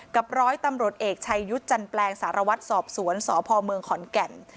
ร้อยตำรวจเอกชัยยุทธ์จันแปลงสารวัตรสอบสวนสพเมืองขอนแก่น